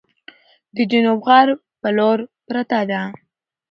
د جنوب غرب په لور پرته ده،